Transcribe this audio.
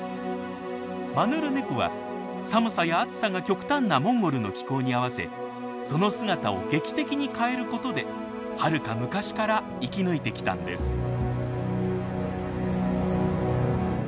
マヌルネコは寒さや暑さが極端なモンゴルの気候に合わせその姿を劇的に変えることではるか昔から生き抜いてきたんです。